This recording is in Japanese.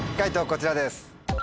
こちらです。